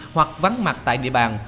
hoặc vắng mặt tại địa bàn